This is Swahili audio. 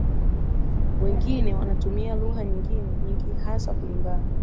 wengine wanatumia lugha nyingine nyingi hasa kulingana